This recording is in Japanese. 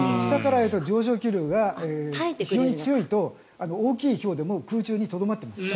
上昇気流が非常に強いと大きいひょうでも空中にとどまっています。